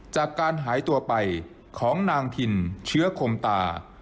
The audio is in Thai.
จากการหายตัวไปของนางทินเชื้อคมตา